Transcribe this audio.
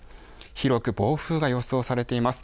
広く暴風が予想されています。